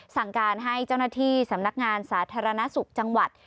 สั่งการให้เจ้าหน้าที่สำนักงานสาธารณสุขจังหวัด